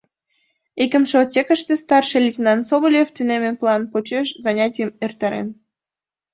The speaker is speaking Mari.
Икымше отсекыште старший лейтенант Соболев тунемме план почеш занятийым эртарен.